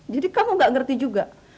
jadi kamu gak ngerti juga